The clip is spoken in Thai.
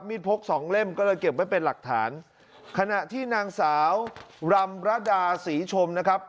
พกสองเล่มก็เลยเก็บไว้เป็นหลักฐานขณะที่นางสาวรำระดาศรีชมนะครับ